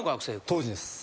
当時です。